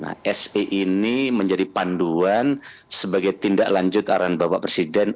nah se ini menjadi panduan sebagai tindak lanjut arahan bapak presiden